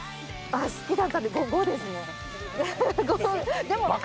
好きだったんで「５」ですね。